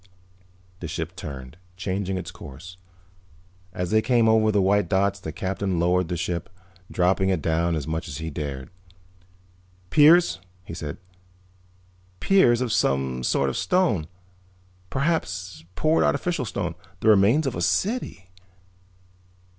The ship turned, changing its course. As they came over the white dots the Captain lowered the ship, dropping it down as much as he dared. "Piers," he said. "Piers of some sort of stone. Perhaps poured artificial stone. The remains of a city."